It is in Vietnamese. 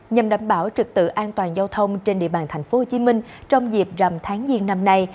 nhằm đảm bảo trực tự an toàn giao thông trên địa bàn tp hcm trong dịp rằm tháng giêng năm nay